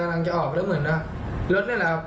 กำลังจะออกแล้วเหมือนว่ารถนี่แหละครับ